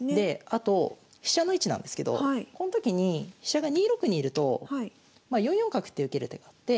あと飛車の位置なんですけどこの時に飛車が２六にいると４四角って受ける手があって。